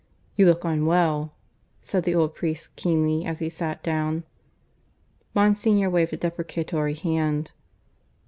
"You look unwell," said the old priest keenly, as he sat down. Monsignor waved a deprecatory hand.